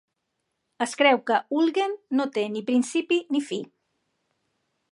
Es creu que Ülgen no té ni principi ni fi.